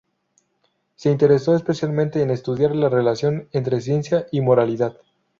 Se interesó especialmente en estudiar la relación entre ciencia y moralidad.